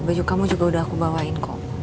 baju kamu juga udah aku bawain kok